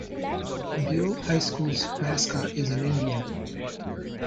Buhl High School's mascot is an Indian.